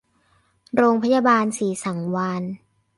โรงพยาบาลศรีสังวาลย์